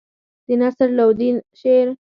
د نصر لودي شعر.